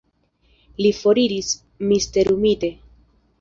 Li foriris, misterumite.